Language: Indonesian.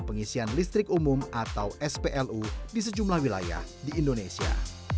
pengisian listrik umum atau splu di sejumlah wilayah di indonesia